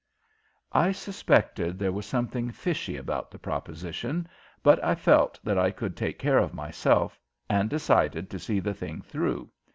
I suspected there was something fishy about the proposition, but I felt that I could take care of myself and decided to see the thing through.